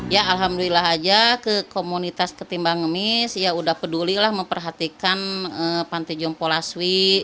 ya alhamdulillah aja ke komunitas ketimbang ngemis ya udah pedulilah memperhatikan pantai jompo laswi